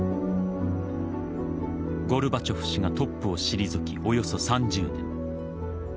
ゴルバチョフ氏がトップを退きおよそ３０年。